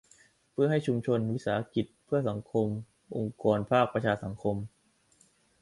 เพื่อให้ชุมชน วิสาหกิจเพื่อสังคม องค์กรภาคประชาสังคม